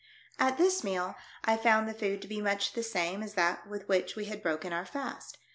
At this meal I found the food to be much the same as that with which we had broken our fast.